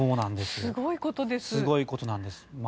すごいことです。